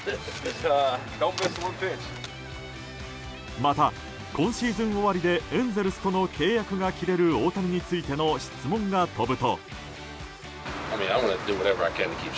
また、今シーズン終わりでエンゼルスとの契約が切れる大谷についての質問が飛ぶと。